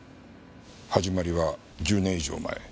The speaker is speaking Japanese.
始まりは１０年以上前。